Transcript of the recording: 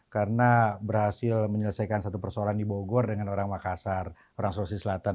karena berhasil menyelesaikan satu persoalan di bogor dengan orang makassar orang sulawesi selatan